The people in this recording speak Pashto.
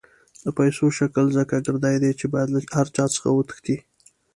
د پیسو شکل ځکه ګردی دی چې باید له هر چا څخه وتښتي.